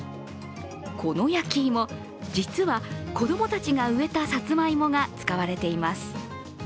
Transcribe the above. この焼き芋、実は子供たちが植えたさつまいもが使われています。